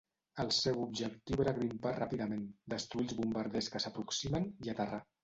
El seu objectiu era grimpar ràpidament, destruir els bombarders que s'aproximen, i aterrar.